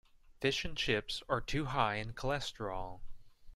Fish and chips are too high in cholesterol.